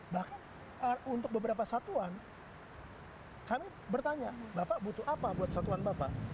bahkan untuk beberapa satuan kami bertanya bapak butuh apa buat satuan bapak